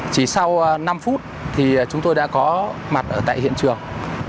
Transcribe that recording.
chỉ sau năm phút thì chúng tôi đã có mặt ở tại hiện trường